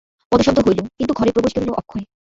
পদশব্দ হইল, কিন্তু ঘরে প্রবেশ করিল অক্ষয়।